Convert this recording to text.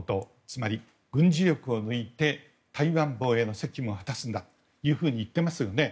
つまり軍事能力で台湾防衛の責務を果たすんだと言ってますよね。